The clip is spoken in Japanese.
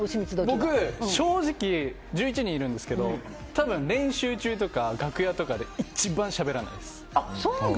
僕、正直１１人いるんですけど多分、練習中とか楽屋とかで一番しゃべらないです。